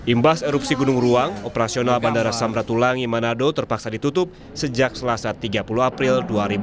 imbas erupsi gunung ruang operasional bandara samratulangi manado terpaksa ditutup sejak selasa tiga puluh april dua ribu dua puluh